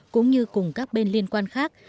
cũng như cùng các bên liên quan khác